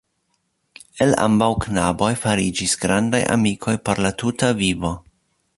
El ambaŭ knaboj fariĝis grandaj amikoj por la tuta vivo.